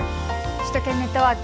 首都圏ネットワーク。